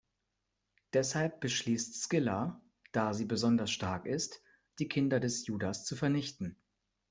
Deshalb beschließt Scylla, da sie besonders stark ist, die "Kinder des Judas" zu vernichten.